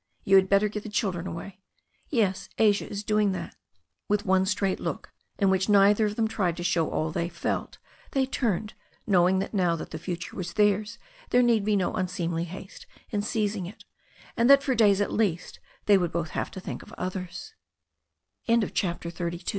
You had better get the children away." "Yes. Asia is doing that." With one straight look, in which neither of them tried to show all they felt, they turned, knowing that now that the future was theirs there need be no unseemly haste in seiz ing it, and that for days at least they would both have t